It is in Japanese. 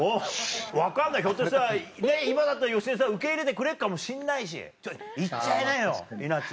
分かんないひょっとしたら今だったら芳根さん受け入れてくれるかもしんないし言っちゃいなよいなっち。